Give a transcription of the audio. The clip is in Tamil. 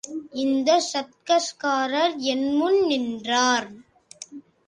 இந்தச் சர்க்கஸ்காரர் என் முன் நின்றார்.